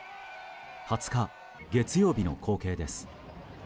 ２０日、月曜日の光景です。